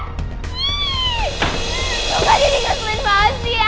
tunggu daddy konsekuensi